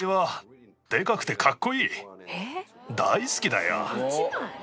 大好きだよ。